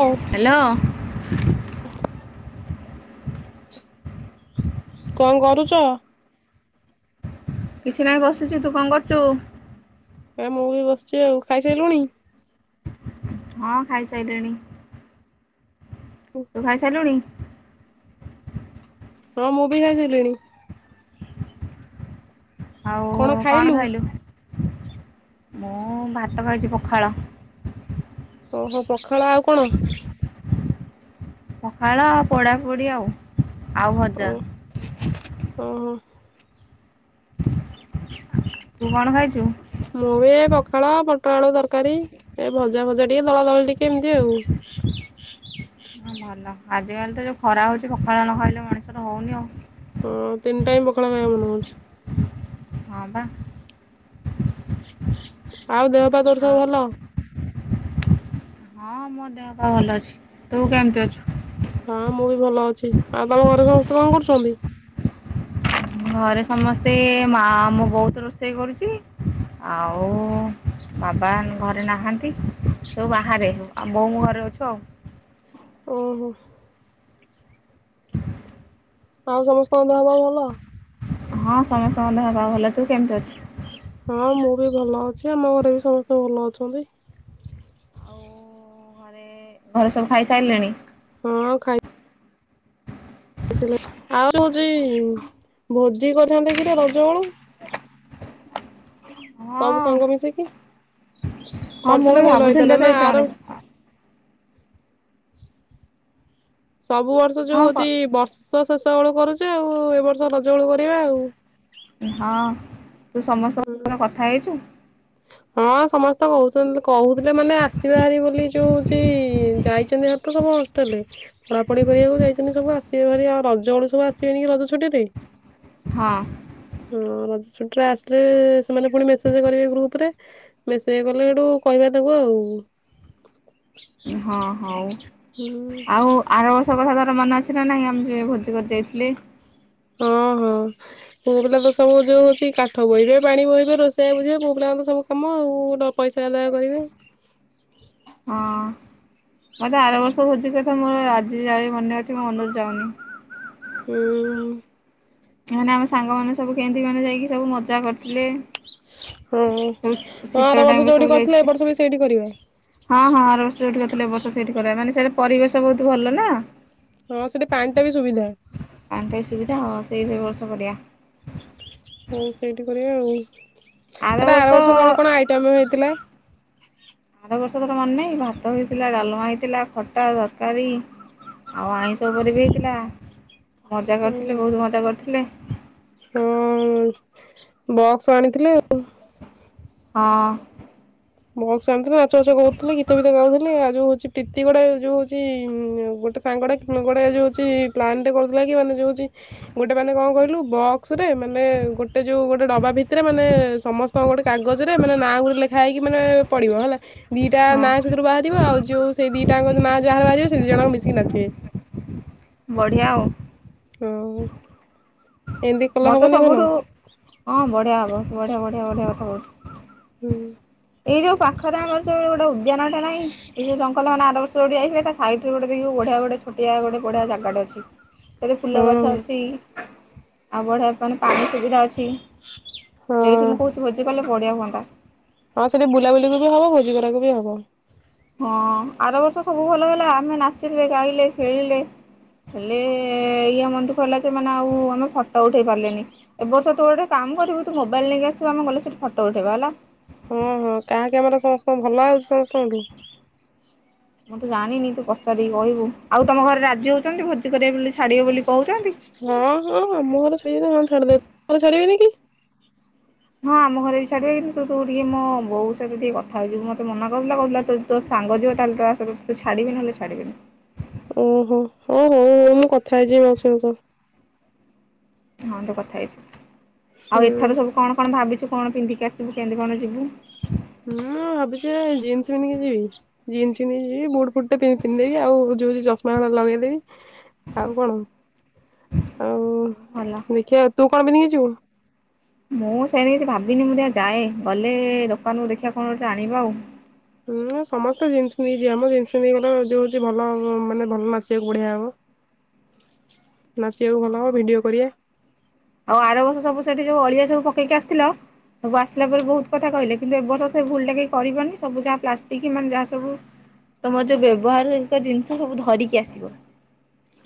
ହଉ। ହାଲୋ। କଣ କରୁଚ? କିଛି ନାହିଁ ବସିଚି। ତୁ କଣ କରୁଚୁ? ଏଇ ମୁଁ ବି ବସିଚି ଆଉ। ଖାଇସାଇଲୁଣି? ହଁ ଖାଇସାଇଲିଣି। ତୁ ଖାଇସାଇଲୁଣି? ହଁ ମୁଁ ବି ଖାଇସାଇଲିଣି। ଆଉ କଣ ଖାଇଲୁ? ମୁଁ ଭାତ ଖାଉଚି ପଖାଳ। ଓହୋ ପଖାଳ ଆଉ କଣ? ପଖାଳ ଆଉ ପୋଡାପୋଡି ଆଉ, ଆଉ ଭଜା। ହୁଁ ହୁଁ। ତୁ କଣ ଖାଇଛୁ? ମୁଁ ବି ଏ ପଖାଳ ଆଉ ପୋଟଳ ତରକାରୀ। ଏ ଭଜା ଫଜା ଟିକେ, ଦଳାଦଳି ଟିକେ ଏମିତି ଆଉ। ହଁ ଭଲ। ଆଜିକାଲି ତ ଯୋଉ ଖରା ହଉଛି ପଖାଳ ନ ଖାଇଲେ ମଣିଷର ହଉନି ଆଉ। ହଁ ତିନି ଟାଇମ ପଖାଳ ଖାଇବାକୁ ମନ ହଉଛି। ହଁ ବା। ଆଉ ଦେହ ପା ତୋର ଆଉ ସବୁ ଭଲ? ହଁ ମୋ ଦେହ ପା ଭଲ ଅଛି। ତୁ କେମିତି ଅଛୁ? ହଁ ମୁଁ ବି ଭଲ ଅଛି। ଆଉ ତମ ଘରେ ସମସ୍ତେ କଣ କରୁଛନ୍ତି? ଘରେ ସମସ୍ତେ ମା ମୋ ବୋଉ ତ ରୋଷେଇ କରୁଛି। ଆଉ ବାବା ଆନ ଘରେ ନାହାନ୍ତି? ସବୁ ବାହାରେ ବୋଉ ମୁଁ ଘରେ ଅଛୁ ଆଉ। ଓହୋ। ଆଉ ସମସ୍ତଙ୍କ ଦେହ ପାହା ଭଲ? ହଁ ସମସ୍ତଙ୍କ ଦେହ ପାହା ଭଲ। ତୁ କେମିତି ଅଛୁ? ହଁ ମୁଁ ବି ଭଲ ଅଛି। ଆମ ଘରେ ବି ସମସ୍ତେ ଭଲ ଅଛନ୍ତି। ଏ ଘରେ ସବୁ ଖାଇ ସାଇଲେଣି? ହଁ ଖାଇ [unintelligible] ସବୁ ହଁ ସାଙ୍ଗ ମିଶିକି? ହଁ ମୁଁ କରିଥିଲେ ବି ଭଲ ଭାବୁଥିଲି ହେଇଥାନ୍ତା। ତତେ ନା ଆର ଜଣେଇବି ସବୁ ବର୍ଷ ହଁ ଯୋଉ କ ହଉଛି ବର୍ଷ ଶେଷ ବେଳୁ କରୁଚୁ ଆଉ ଏ ବର୍ଷ ରଜ ବେଳୁ କରିବା ଆଉ। ହଁ ତୁ ସମସ୍ତଙ୍କ କଥା ହେଇଛୁ? ହଁ ସମସ୍ତେ କହୁଛନ୍ତି କହୁଥିଲେ ମାନେ ଆସିବେ ହାରି ବୋଲି ଯୋଉ ହଉଛି ଯାଇଛନ୍ତି ହାରି ତ ସବୁ। ଲେ ପଢାପଢି କରିବାକୁ ଯାଇଛନ୍ତି ସବୁ ଆସିବେ ଭାରି ଆଉ ରଜ ବେଳୁ ସବୁ ଆସିବେନି କି ରଜ ଛୁଟିରେ। ହଁ। ହଁ, ରଜଛୁଟିରେ ଆସିଲେ ସେମାନେ ପୁଣି ମେସେଜ କରିବେ ଗ୍ରୁପ ରେ ମେସେଜ କଲେ ହେଠୁ କହିବା ତାଙ୍କୁ ଆଉ। ହଁ ହଉ। ହୁଁ ଆଉ ଆର ବର୍ଷ କଥା ତାର ମନେ ଅଛି ନା ନାହିଁ ଆମେ ଯୋଉ ଭୋଜି କରି ଯାଇଥିଲେ? ହଁ ହଁ। ମୋ ପିଲା ତ ସବୁ ଯୋଉ ଅଛି କାଠ ବୋହିବେ, ପାଣି ବୋହିବେ, ରୋଷେଇଆ ବୁଝିବେ ପୁଅ ପିଲାଙ୍କ ତ ସବୁ କାମ ଆଉ ଗୋଟେ ପଇସା ଆଦାୟ କରିବେ। ହଁ ମତେ ଆର ବର୍ଷ ଭୋଜି କଥା ମୋର ଆଜି ଯାଏଁ ମନେ ଅଛି ମୋ ମନରୁ ଯାଉନି। ହୁଁ ହୁଁ! ମାନେ ଆମ ସାଙ୍ଗମାନେ ସବୁ କେମିତି ମାନେ ଯାଇକି ସବୁ ମଜ୍ ମଜା କରୁଥିଲେ। ହଁ। [unintelligible] ହଁ ଆର ଶୀତ ବର୍ଷ ଟାଇମରେ ଯୋଉଠି ସବୁ କରିଥିଲେ ଏ ଯାଇଥିଲେ। ବର୍ଷ ବି ସେଇଠି କରିବା। ହଁ ହଁ ଆର ବର୍ଷ ଯୋଉଠି କରିଥିଲେ ଏ ବର୍ଷ ସେଇଠି କରିବା ମାନେ ସେଇଠି ପରିବେଶ ବହୁତ୍ ଭଲ ନା। ହଁ ସେଠି ପାଣିଟା ବି ସୁବିଧା। ପାଣିଟା ବି ସୁବିଧା [unintelligible] ସେଇ ବ୍ୟବସ୍ଥା କରିବା। ହଉ ସେଇଠି କରିବା ଆଉ। ଆରେ ଆର ବର୍ଷ କଣ କଣ ଆଇଟମ ହେଇଥିଲା? ଆର ବର୍ଷ ତୋର ମନେ ନାହିଁ ଭାତ ହେଇଥିଲା ଡାଲମା ହେଇଥିଲା ଖଟା, ତରକାରୀ ଆଉ ଆଇଁଷ ଉପରେ ବି ହେଇଥିଲା ମଜା କରିଥିଲେ ବହୁତ୍ ମଜା କରିଥିଲେ। ହଁ ବକ୍ସ ଆଣିଥିଲେ ଆଉ। ହଁ! ବକ୍ସ ଆଣିଥିଲେ ନାଚ ଫାଚ ହଉଥିଲେ ଗୀତ ଭୀତ ଗାଉଥିଲେ ଆଉ ଯୋଉ ହଉଛି ଟିତି ଗୋଡ଼େ ଯଉ ହଉଚି ଗୋଟେ ସାଙ୍ଗଟା ଗୋଟେ ଯଉ ହେଉଚି ପ୍ଲାନଟେ କରୁଥିଲା କି ମାନେ ଯଉ ହେଉଚି ଗୋଟେ ମାନେ କଣ କହିଲୁ ବକ୍ସରେ ମାନେ ଗୋଟେ ଯୋଉ ଗୋଟେ ଡବା ଭିତରେ ମାନେ ସମସ୍ ସ୍ତ ଗୋଟେ କାଗଜରେ ମାନେ ନାଁ ଗୁରେ ଲେଖା ହେଇ କି ମାନେ ପଡିବ ହେଲା ଦିଟା ହଁ ନାଁ ସେଥିରୁ ବାହାରିବ ଆଉ ଯୋଉ ସେ ଦିଟାଙ୍କ ନାଁ ଯାହାର ବାହାରିବ ସେ ଦି ଜଣ ମିଶିକି ନାଚିବେ। ବଢିଆ ଆଉ। [unintelligible] ଏମିତି କଲେ ମୋତେ ହବନି ଭଲ ସବୁଠୁ ହଁ ବଢ଼ିଆ ହେବ ବଢ଼ିଆ ବଢ଼ିଆ ବଢ଼ିଆ କଥା ହୁଁ [unintelligible] ଏଇ ଯୋଉ ପାଖରେ ଆମର ଯୋଉ ଗୋଟେ ଉଦ୍ୟାନଟା ନାହିଁ ଏଇ ଯୋଉ ଜଙ୍ଗଲ ନା ଆର ବର୍ଷ‌ [unintelligible] ତା ସାଇଡରେ ବଢ଼ିଆ ଗୋଟେ ଛୋଟିଆ ଗୋଟେ ଜାଗାଟେ ଅଛି। ସେଠି ଫୁଲ ହଁ ଗଛ ଅଛି। ଆଉ ବଢିଆ ପାଇଁ ପାଣି ସୁବିଧା ଅଛି। ହଁ। ସେଇଠି ମୁଁ କହୁଚି ଭୋଜି କଲେ ବଢିଆ ହୁଅନ୍ତା। ହଁ ସେଠି ବୁଲାବୁଲିକୁ ବି ହବ ଭୋଜି କରିବାକୁ ବି ହବ। ହଁ ଆର ବର୍ଷ ସବୁ ଭଲ ହେଲା। ଆମେ ନାଚିଲେ, ଗାଇଲେ, ଖେଳିଲେ। ହେଲେ ଇଏ [unintelligible] ଯେ ମାନେ ଆଉ ଆମେ ଫଟୋ ଉଠେଇ ପାରିଲେନି। ଏ ବର୍ଷ ତୁ ଗୋଟେ କାମ କରିବୁ ତୁ ମୋବାଇଲ ନେଇକି ଆସିବୁ ଆମ ଗଲେ ସେଠି ଫଟୋ ଉଠେଇବା ହେଲା। ହୁଁ ହୁଁ କାହାକି ଆମର ସମସ୍ତଙ୍କ ଭଲ ଆଉଛି ସମସ୍ତଙ୍କଠୁ। ମୁଁ ତୁ ଜାଣିନି ତୁ ପଚାରିକି କହିବୁ ଆଉ ତମ ଘରେ ରାଜି ହଉଚନ୍ତି ଭୋଜି କରିବ ବୋଲି ଛାଡିବ ବୋଲି କହୁଚନ୍ତି। ହଁ ହଁ ଆମ ଘର [unintelligible] ଛାଡ଼ିଦେବ ତମ ଘରେ ଛାଡିବେନି କି? ହଁ ଆମ ଘରେ ବି ଛାଡିବେ କିନ୍ତୁ ତୁ-ତୁ ଟିକେ ମୋ ବୋଉ ସହିତ ଟିକେ କଥା ହେଇଯିବୁ ମତେ ମନା କରୁଥିଲା କହୁଥିଲା ତୁ ତୋ ସାଙ୍ଗ ଯିବ ତାହେଲେ ତ ଆସ ତୁ ଛାଡ଼ିବି ନହେଲେ ଛାଡ଼ିବିନି। ଓହୋ ହଉ ହଉ ହଉ ମୁଁ କଥା ହେଇଯିବି ମାଉସୀଙ୍କ ସହ। ହଁ ତ କଥା ହେଇଚୁ ଆଉ ହୁଁ। ଏଥର ସବୁ କଣ କଣ ଭାବିଛୁ କଣ ପିନ୍ଧିକି ଆସିବୁ କେମିତି କଣ ଯିବୁ। ଉମ୍ ମୁଁ ଭାବିଚି ଏଇ ଜିନ୍ସ ପିନ୍ଧିକି ଯିବି। ଜିନ୍ସ ପିନ୍ଧିକି ଯିବି ବୁଟ ଫୁଟଟେ ପିନ୍ ପିନ୍ଧିଦେବି ଆଉ ଯୋଉ ଚଷମା ହଳ ଲଗେଇଦବି। ଆଉ କଣ ଆଉ ଭଲ ଦେଖିବା ତୁ କଣ ପିନ୍ଧିକି ଯିବୁ? ମୁଁ ସେମିତି କିଛି ଭାବିନି ମୁଁ ଦେଖିଆ ଯାଏଁ ଗଲେ ଦୋକାନକୁୁ ଦେଖିବା କଣ ଗୋଟେ ଆଣିବା ଆଉ। ହୁଁ ସମସ୍ତେ ଜିନ୍ଷ ପିନ୍ଧିକି ଯିବେ। ମୁଁ ଜିନ୍ଷ ପିନ୍ଧିକି‌ ଗଲେ ଯୋଉ ହଉଚି ଭଲ ମାନେ ଭଲ ନାଚିବାକୁ ବଢିଆ ହବ। [inaudible] ନାଚିବାକୁ ଭଲ ହବ ହଁ ଭିଡିଓ କରିଆବା। ଆଉ ଆର ବର୍ଷ ସବୁ ସେଠି ଯୋଉଁ ଅଳିଆ ସବୁ ପକେଇକି ଆସିଥିଲ। ମୁଁ ଆସିଲା ପରେ ବହୁତ କଥା କହିଲେ କିନ୍ତୁ ଏବର୍ଷ ସେ ଭୁଲଟା କେଇ କରିବନି ସବୁ ଯାହା ପ୍ଲାଷ୍ଟିକ ମାନେ ଯାହା ସବୁ ତମର ଯୋଉଁ ବ୍ୟବହାର ହରିକା ଜିନିଷ ସବୁ ଧରିକି ଆସିବ।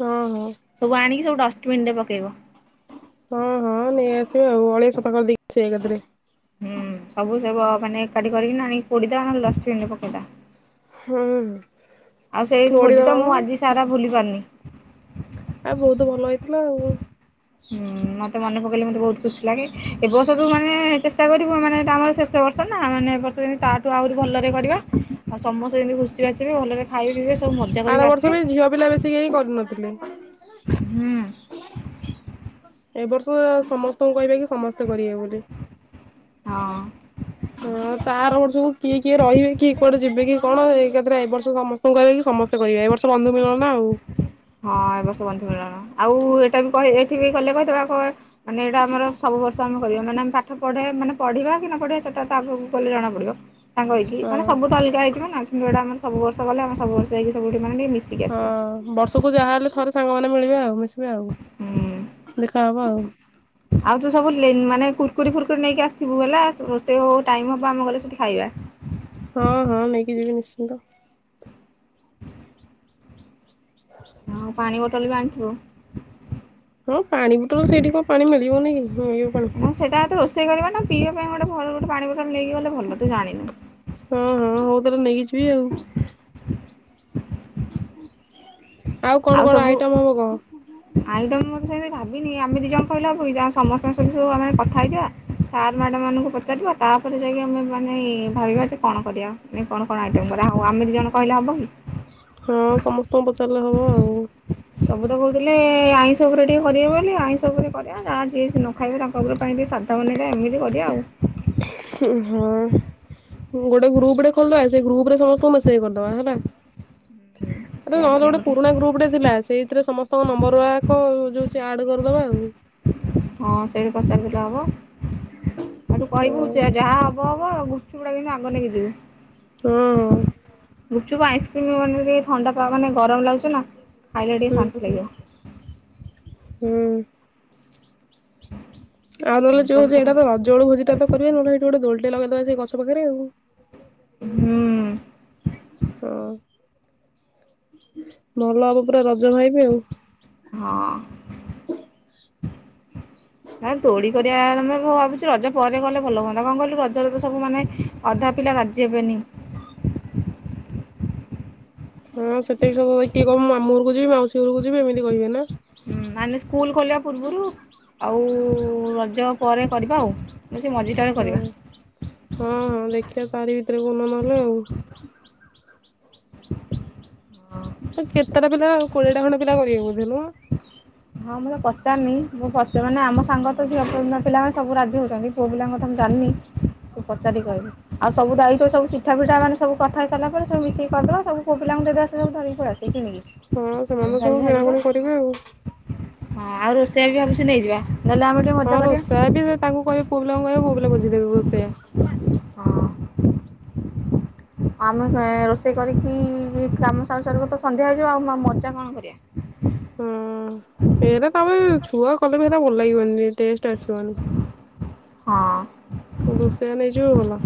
ହଁ ହଁ। ସବୁ ଆଣିକି ସବୁ ଡଷ୍ଟପିନ ରେ ପକେଇବ। ହଁ ହଁ ନେଇ ଆସିବା ଆଉ ଅଳିଆ ସଫା କରି ଦେଇ ସେଇ ଏକାଥରେ। ହୁଁ ସବୁ ସେ ବ ମାନେ ଏକାଠିଁ କରିକିନା ଆଣିକି ପୋଡିଦେବା ନ ହେଲେ ଡଷ୍ଟପିନ ରେ ପକେଇଦବା। ହୁଁ ଆଉ ସେଇ ଭୋଜି ତ ପୋଡିଦବ ମୁଁ ମ। ଆଜି ସାରା ଭୁଲି ପାରୁନି। ଆ ବହୁତ ଭଲ ହେଇଥିଲା ଆଉ। ହଁ ମତେ ମନେ ପକେଇଲେ ମୋତେ ବହୁତ ଖୁସି ଲାଗେ। ଏବର୍ଷ ତ ଯୋଉଁ ମାନେ ଚେଷ୍ଟା କରିବୁ ମାନେ ତା ମାନେ ଶେଷ ବର୍ଷ ସରିଲା ମାନେ ଏ ବର୍ଷ ଯାଇ ତାଠୁଁ ଆହୁରି ଭଲରେ କରିବା ଆଉ ସମସ୍ତେ ଯେମିତି ଖୁସିରେ ଆସିବେ ଭଲରେ ଖାଇବେ ପିଇବେ ସବୁ ମଜା ଆର କରିକି ବର୍ଷ ଆସିବେ। ବି ଝିଅ ପିଲା ବେଶ୍ ସିଏ ହିଁ କରୁ ନଥିଲେ? ହୁଁ। ଏ ବର୍ଷ ସମସ୍ତଙ୍କୁ କହିବା କି ସମସ୍ତେ କରିବେ ବୋଲି। ହଁ। ହଁ ତା ଆର ବର୍ଷ କୁ କିଏ କିଏ ରହିବେ କିଏ କୁଆଡେ ଯିବେ କି କଣ? କଣ ଏକାଥରେ ଏଇ ବର୍ଷ ସମସ୍ତଙ୍କୁ କହିବା କି ସମସ୍ତେ କହିବେ ଏ ବର୍ଷ ବନ୍ଧୁ ମିଳନ ନାଁ ଆଉ। ହଁ ଏ ବର୍ଷ ବନ୍ଧୁ ମିଳନ ଆଉ ଏଇଟା ବି କହିଦେଇଥିବି ଗଲେ କହିଦେବାକୁ ମାନେ ଏଇଟା ଆମର ସବୁ ବର୍ଷ ଆମେ କରିବା ମାନେ ଆମେ ପାଠ ପଢେ ମାନେ ପଢିବା କି ନ ପଢିବା ସେଇଟା ତ ଆଗକୁ ଗଲେ ଜଣାପଡିବ। ସାଙ୍ଗ ହେଇକି ହଁ। ମାନେ ସବୁ ତ ଅଲଗା ହୋଇଯିବା ନାଁ କିନ୍ତୁ ଆମ ସବୁ ବର୍ଷ ଗଲେ ଆମ ସବୁ ବର୍ଷ ଯାଇକି ସବୁଠି ମାନେ ମିଶିକି ହଁ ଆସିବା। ବର୍ଷକୁ ଯାହାହେଲେ ଥରେ ସାଙ୍ଗମାନେ ମିଳିବେ ଆଉ ମିଶିବେ ହୁଁ ଆଉ ଦେଖାହବ ଆଉ। ଆଉ ତୁ ସବୁ ଲେନ୍ ମାନେ କୁର୍କୁରି ଫୁୁରୁକୁରି ନେଇକି ଆସିଥିବୁ ହେଲା ରୋଷେଇ ହଉ ହଉ ଟାଇମ ହବ ଆମେ ଗଲେ ସେଠି ଖାଇବା। ହଁ ହଁ ନେଇକି ଯିବି ନିଶ୍ଚିନ୍ତ। ହଁ ପାଣି ବୋଟଲ ବି ଆଣିଥିବୁ। ହଁ ପାଣି ବୋଟଲ ସେଇଠିଁ କଣ ପାଣି ମିଳିବନି କି ମିଳିବ ପାଣି। ନା ସେଇଟା ସେଠିଁ ରୋଷେଇ କରିବା ନାଁ ପିବା ପାଇଁ ଗୋଟେ ଭଲ ଗୋଟେ ପାଣି ବୋଟଲ ନେଇକି ଗଲେ ଭଲ ତୁ ଜାଣିନୁ। ହଁ ହଁ ହଉ ତାହେଲେ ନେଇକି ଯିବି ଆଉ। କଣ ଆଉ କଣ ସବୁ ଆଇଟମ ହବ କହ ଆଇଟମ୍ ମୁଁ ତ କିଛି ସେମିତି ଭାବିନି ଆମେ ଦି ଜଣ କହିଲେ ହବ କି ଯାହା ସମସ୍ତଙ୍କ ସହିତ ସବୁ ଆମେ କଥା ହେଇଯିବା। ସାର୍ ମ୍ୟାଡ଼ାମ୍ ମାନଙ୍କୁ ପଚାରିବା ତାପରେ ଯାଇକି ଆମେ ମାନେ ଏଁ ଭାବିବା ଯେ କଣ କରିବା? ନାଇଁ କଣ କଣ ଆଇଟମ୍ କରା ହବ ଆମ ଦି ଜଣ କହିଲେ ହବ କି? ହଁ ସମସ୍ତଙ୍କୁ ପଚାରିଲେ ହବ ଆଉ। ସବୁ ତ କହୁଥିଲେ ଆଇଁଷ ଉପରେ ଟିକେ କରିବେ ବୋଲି ଆଇଁଷ ଉପରେ କରିବା ଯାହା ଜିଏ ସେ ନ ଖାଇବ ତାଙ୍କ ସବୁଲୋକ ପାଇଁ ବି ସାଧା ବନେଇବା ଏମିତି କରିବା ଆଉ। ହୁଁ ହଁ। କୋଉଁ ଗୋଟେ ଗ୍ରୁପ ଟେ ଖୋଲିଦବା ସେଇ ଗ୍ରୁପ ରେ ସମସ୍ତଙ୍କୁ ମେସେଜ କରିଦବା ହେଲା। [inaudible] ନ ହେଲେ ଗୋଟେ ପୁରୁଣା ଗ୍ରୁପ ଟେ ଥିଲା ସେଇଥିରେ ସମସ୍ତଙ୍କ ନମ୍ବର ଗୁଡ଼ାକ ଯୋଉଁ ହଉଛି ଆଡ୍ କରିଦବା ଆଉ। ହଁ ସେଇଠୁ ପଚାରିଲେ ଦେଲେ ହବ ତାକୁ କହିବୁ ହଁ ଯେ ଯାହା ହବ ହବ ଗୁପ୍ ଚୁପ୍ ଟା କିନ୍ତୁ ଆଗ ନେଇକି ଯିବୁ। ହଁ ଗୁପ୍ ଚୁପ୍ ଆଇସ୍କ୍ରିମ ମାନେ ଟିକେ ଥଣ୍ଡା ମାନେ ଗରମ ଲାଗୁଛି ନାଁ। ହୁଁ ହୁଁ। ହୁଁ। ଆଉ ନହେଲେ ଏମିତି ସବୁ ଯୋଉଁ କରିବା। ଚେହେରା ତୋର ଜୋଳ ଭୋଜିଟା ତ କରିବା ନହେଲେ ଏଠେ ଗୋଟେ ଦୋଳିଟେ ଲଗେଇଦବା ସେଇ ଗଛ ପାଖରେ ଆଉ। ହୁ। ହଁ ଭଲ ହବ ପୁରା ରଜ ଭାଇବ ଆଉ। ହଁ। [inaudible] ଆ ଦୋଳି କରିବା ଆମେ ଭାବୁଛୁ ରଜ ପରେ ଗଲେ ଭଲ ହୁଅନ୍ତା କଣ କହିଲୁ ରଜରେ ତ ସବୁ ମାନେ ଅଧା ପିଲା ରାଜି ହେବେନି। ହଁ ସେତେ ବି ସବୁ ଏ କିଏ କହିବ ମାମୁଁ ଘରକୁ ଯିବି ମାଉସୀ ଘରକୁ ଯିବି ଏମିତି କହିବେ ନା? ମାନେ ସ୍କୁଲ ଖୋଲିବା ପୂର୍ବରୁ ଆଉ ରଜ ପରେ କରିବା ଆଉ ସେ ମଝିଟାରେ କରିବା। ହଁ। ହଁ ହଁ ଦେଖିବା ତାରି ଭିତରେ କଉ ଦିନ ନହେଲେ ଆଉ। କେତେଟା ପିଲା ଆଉ କୋଡିଏଟା ଖଣ୍ଡେ ପିଲା କରିବେ ବୋଧେ ନୁହଁ। ହଁ ମୁଁ ତ ପଚାରୁନି ମ ପଚାର ମାନେ ଆମ ସାଙ୍ଗ ତ ଝିଅ ପିଲାମାନେ ସବୁ ରାଜି ହଉଛନ୍ତି। ପୁଅ ପିଲାଙ୍କ କଥା ମୁଁ ଜାଣିନି ତ ପଚାରି କହିବି। ଆଉ ସବୁ ଦାୟିତ୍ୱ ଚିଠା ପିଠା ମାନେ ସବୁ କଥା ହେଇ ସାରିଲା ପରେ ମିଶିକି କରିଦବା ସବୁ ପୁଅ ପିଲାଙ୍କୁ ଦେଇ ଦେବା ସେ ସବୁ ଧରିକି ପଳେଇ ଆସିବେ କିଣିକି। ହଁ ଆମେ ସେମାନେ ତ ଖାଲି ସବୁ ଯାହା ଯିବା କିଣାକଣି କରିବେ ଆଉ। ହଁ ଆଉ ରୋଷେଇଆ ବି ଭାବୁଛି ନେଇଯିବା ନହେଲେ ଆମେ ଟିକେ ହଁ ମଜା ରୋଷେଇଆ କରିବା। ତାଙ୍କୁ କହିବ ପୁଅ ପିଲାଙ୍କୁ କହିବା ପୁଅ ପିଲ ବୁଝି ଦେବେ ରୋଷେଇୟା। ହଁ। ଆମେ ରୋଷେଇ କରିକି କାମ ସାରୁ ସାରୁ ତ ସନ୍ଧ୍ୟା ହେଇଯିବ ଆଉ ମଜା କଣ କରିବା? ହଁ ଏଟା ତାପରେ ଛୁଆ କଲେ ବି ଭଲ ଲାଗିବନି ଟେଷ୍ଟ ଆସିବନି। ହଁ। ରୋଷେଇଆ ନେଇଯିବ ଭଲ।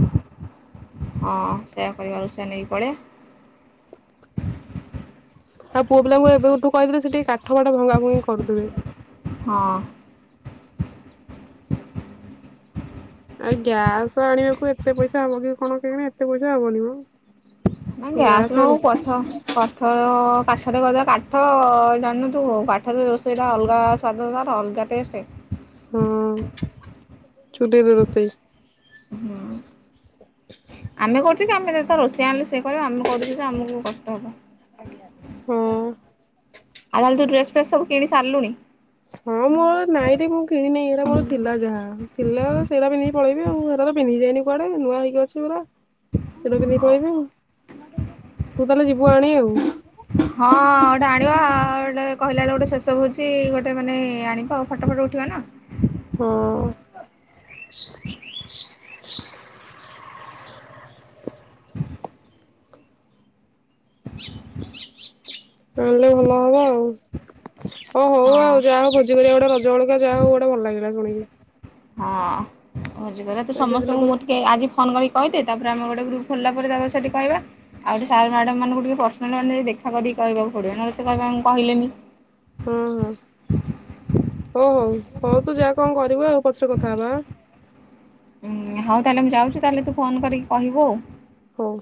ହଁ ସେୟା କରିବା ରୋଷେୟା ନେଇକି ପଳେଇବା। ଆଉ ପୁଅ ପିଲାଙ୍କୁ ଏବେଠୁ କହିଦେଲେ ସେ ଟିକେ କାଠ ପାଠ ଭଙ୍ଗା ଭୁଙ୍ଗି କରୁଦେବେ। ହଁ। ଆଉ ଗ୍ୟାସ ଆଣିବାକୁ ଏତେ ପଇସା ହବ କି କଣ କେଜାଣି? ଏତେ ପଇସା ହବନି ମ। ଗ୍ୟାସ୍ ଗ୍ୟାସ ନାଇ ଆଣି ପଠ କାଠ କାଠରେ କରିଦେଲେ କାଠ ଜାଣିନୁ ତୁ କାଠରେ ରୋଷେଇଟା ଅଲଗା ସ୍ୱାଦ ତାର ଅଲଗା ଟେଷ୍ଟ୍। ହଁ ଚୁଲିରେ ରୋଷେଇ। ହୁଁ। ଆମେ କରୁଚୁକି ଆମେ ଯେତେ ରଷେଇ ଆଣେ ସେଏ କରିବା ଆମେ କରୁଚୁ ଯେ ଆମକୁ କଷ୍ଟ ହେବ। ହଁ। ଆ ଅଲୁ ଡେସ ଫ୍ରେସ୍ ସବୁ କିଣି ସାରିଲୁଣି? ହଁ ମୋ ନାଇତି ମୁଁ କିଣିନେଇ ଏରା ମୋର ଥିଲା ଯାହା। ଥିଲା ତ ସେଇରା ପିନ୍ଧିକି ପଳେଇବି ଆଉ ଘରେ ପିନ୍ଧିଯାଇନି କୁଆଡେ ନୂଆ ହେଇକି ଅଛି ମୋର। ସେଟା ପିନ୍ଧିକି ହଉ ପଳେଇମୀ ତୁ ତାହେଲେ ଯିବୁ ଆଣି ଆଉ। ହଁ ଗୋଟେ ଆଣିବା ଉ ଗୋଟେ କହିଲା ବବେଳେ ଗୋଟେ ଶେଷ ଭୋଜି ଗୋଟେ ମାନେ ଆଣିବା ଆଉ ଫଟୋ ଫଟ ଉଠିବା ନା? ହଁ। [inaudible] ଆଣିଲେ ଭଲ ହବ ଆଉ ହ ହଉ ହଁ ଆଉ ଯାହା ହଉ ଭୋଜି କରିବା ଗୋଟେ ର ଜଳକା ଯା ହଉ ଗୋଟା ଭଲ ଲାଗିଲା ଶୁଣିକି। ହଁ ଭୋଜିକରିବା ତୁ ଏତେ ଦିନ ସମସ୍ତଙ୍କୁ ପରେ ମୁଁ ଟିକେ ଆଜି ଫୋନ କରିକି କହିଦେ ତାପରେ ଆମେ ଗୋଟେ ଗ୍ରୁପ୍ ଖୋିଲଲା ପରେ ତା ପରେ ସେଠି କହିବା। ଆଉ ସାର ମ୍ୟାଡାମମାନଙ୍କୁ ଟିକେ ପର୍ସନାଲ ମାନେ ଦେଖା କରିକି କହକୁ ପଡିବ ନହେଲେ ସେ କହିବେ ଆମକୁ କହିଲେନି? ହଁ ହଁ ହଉ ହଉ ହଉ ତୁ ଯା କଣ କରିବୁ ଆଉ ପଛରେ କଥା ହବା ଆଁ। ହଉ ତାହେଲେ ମୁଁ ଯାଉଚି ତାହେଲେ ତୁ ଫୋନ୍ କରିକି କହିବୁ ଆଉ। ହୁଁ।